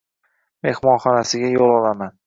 mehmonxonasiga yo`l olaman